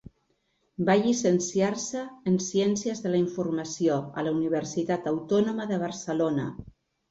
Va llicenciar-se en Ciències de la Informació a la Universitat Autònoma de Barcelona.